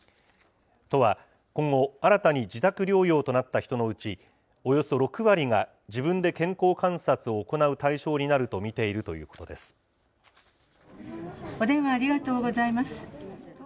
都は今後、新たに自宅療養となった人のうち、およそ６割が自分で健康観察を行う対象になると見ているというこお電話ありがとうございます。